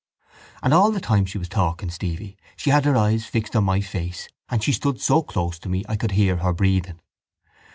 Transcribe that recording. And all the time she was talking, Stevie, she had her eyes fixed on my face and she stood so close to me I could hear her breathing.